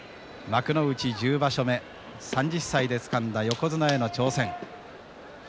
幕内１０場所目３０歳でつかんだ横綱への挑戦。